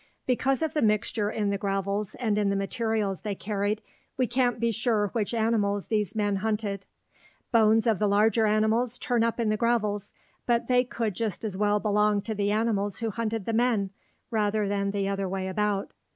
Because of the mixture in the gravels and in the materials they carried, we can't be sure which animals these men hunted. Bones of the larger animals turn up in the gravels, but they could just as well belong to the animals who hunted the men, rather than the other way about.